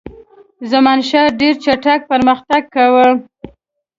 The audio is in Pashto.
زمانشاه ډېر چټک پرمختګ کاوه.